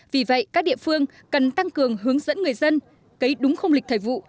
vì vậy các địa phương cần tăng cường hướng dẫn người dân cấy đúng không lịch thời vụ